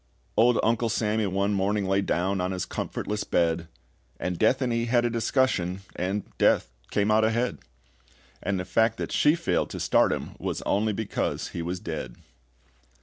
Old Uncle Sammy one morning Lay down on his comfortless bed, And Death and he had a discussion, And Death came out ahead; And the fact that SHE failed to start him was only because he was dead.